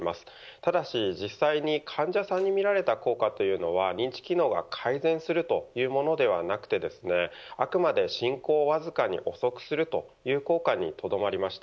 ただし、実際に患者さんに見られた効果というのは認知機能が改善するというものではなくてあくまで進行をわずかに遅くするという効果にとどまりました。